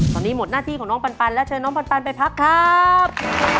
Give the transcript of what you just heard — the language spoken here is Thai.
ตอนนี้หมดหน้าที่ของน้องปันและเชิญน้องปันไปพักครับ